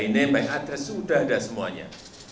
name and address sudah ada semuanya